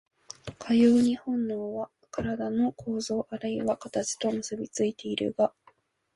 かように本能は身体の構造あるいは形と結び付いているが、